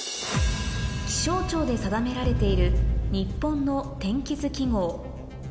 気象庁で定められている日本の天気図記号